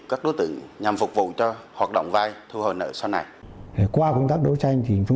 các thông tin về điện thoại được đồng bộ về cơ sở dữ liệu các thông tin về cơ sở dữ liệu